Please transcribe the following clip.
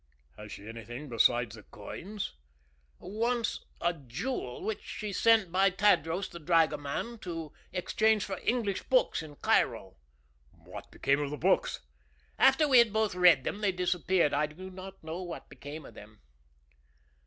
"Had she anything besides the coins?" "Once a jewel, which she sent by Tadros, the dragoman, to exchange for English books in Cairo." "What became of the books?" "After we had both read them they disappeared. I do not know what became of them."